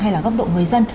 hay là góc độ người dân